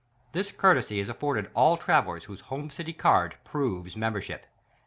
This courtesy is afforded all travelers whose home city CARD proves membership.